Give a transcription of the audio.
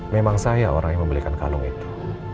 memang saya orang yang membelikan kalung itu